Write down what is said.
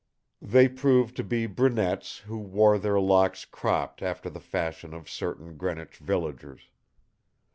They proved to be brunettes who wore their locks cropped after the fashion of certain Greenwich villagers.